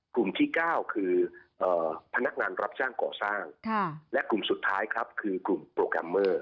กลุ่มที่๙คือพนักงานรับจ้างก่อสร้างและกลุ่มสุดท้ายครับคือกลุ่มโปรแกรมเมอร์